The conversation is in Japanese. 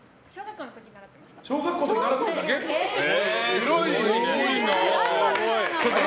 小学校の時に習ってました。